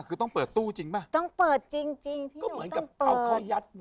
คือต้องเปิดตู้จริงป่ะต้องเปิดจริงจริงพี่หนุ่มต้องเปิดก็เหมือนกับ